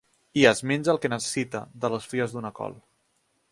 I es menja el que necessita, de les fulles d’una col.